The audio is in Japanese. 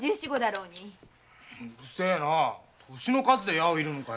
うるせぇな年の数で矢を射るのかよ。